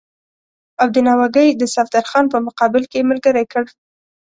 او د ناوګۍ د صفدرخان په مقابل کې یې ملګری کړ.